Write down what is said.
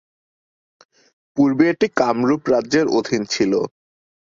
পূর্বে এটি কামরুপ রাজ্যের অধীন ছিল।